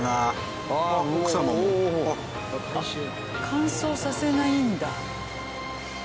乾燥させないんだ。